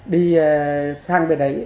đi sang bên đấy